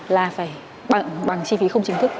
là phải bằng chi phí không chính thức